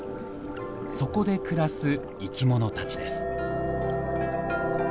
そこで暮らす生きものたちです。